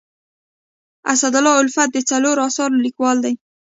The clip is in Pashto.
اسدالله الفت د څلورو اثارو لیکوال دی.